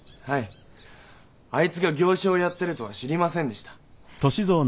はいあいつが行商をやってるとは知りませんでした。